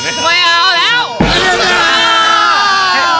ไม่เอาแล้ว